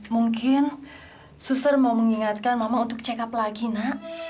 mungkin suster mau mengingatkan mama untuk check up lagi nak